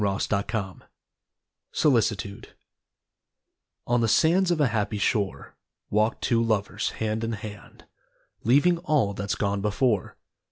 r63] DAY DREAMS SOLICITUDE On the sands of a happy shore, Walked two lovers, hand in hand, Leaving all that's gone before.